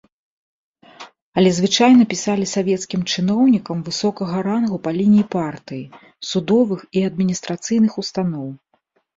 Але звычайна пісалі савецкім чыноўнікам высокага рангу па лініі партыі, судовых і адміністрацыйных устаноў.